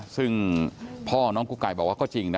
ซึ่งพ่อน้องกุ๊กไก่บอกว่าก็จริงนะ